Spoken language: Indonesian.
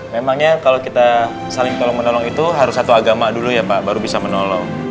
memangnya kalau kita saling tolong menolong itu harus satu agama dulu ya pak baru bisa menolong